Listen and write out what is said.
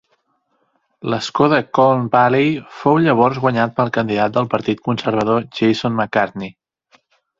L'escó de Colne Valley fou llavors guanyat pel candidat del partit conservador Jason McCartney.